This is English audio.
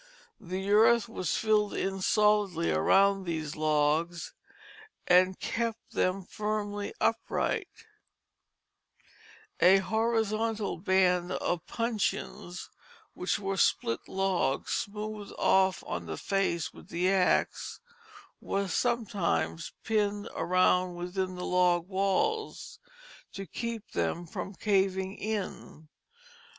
The earth was filled in solidly around these logs, and kept them firmly upright; a horizontal band of puncheons, which were split logs smoothed off on the face with the axe, was sometimes pinned around within the log walls, to keep them from caving in.